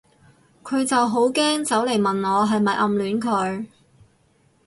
佢就好驚走嚟問我係咪暗戀佢